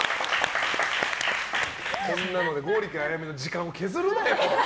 こんなので剛力彩芽の時間を削るなよ。